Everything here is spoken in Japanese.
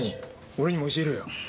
俺にも教えろよ。